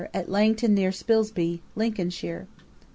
AT LANGTON NEAR SPILSBY, LINCOLNSHIRE.